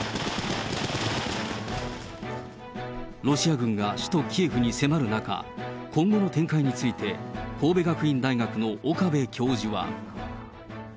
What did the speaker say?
ロシア軍が首都キエフに迫る中、今後の展開について、神戸学院大学の岡部教授は。